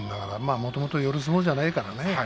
もともと寄る相撲じゃないからね。